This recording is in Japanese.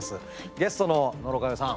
ゲストの野呂佳代さん